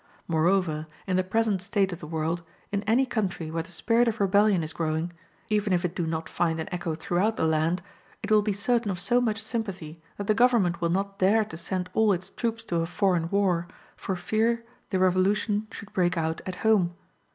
Moreover, in the present state of the world, in any country where the spirit of rebellion is growing, even if it do not find an echo throughout the land, it will be certain of so much sympathy that the government will not dare to send all its troops to a foreign war, for fear the revolution should break out at home.